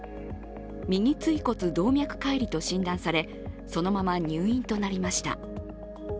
右椎骨動脈解離と診断され、そのまま入院となりました。